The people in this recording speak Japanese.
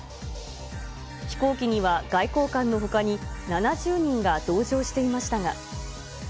飛行機には外交官のほかに７０人が同乗していましたが。